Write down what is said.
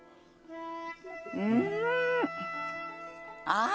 うん！あっ！